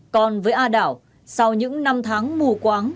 còn với a đảo sau những năm tháng mù quáng